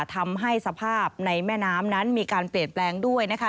ทำให้สภาพในแม่น้ำนั้นมีการเปลี่ยนแปลงด้วยนะคะ